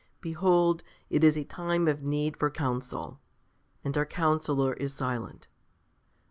Behold, it is a time of need for counsel; and our counsellor is silent.